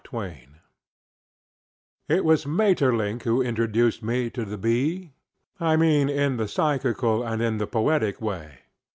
THE BEE It was Maeterlinck who introduced me to the bee. I mean, in the psychical and in the poetical way.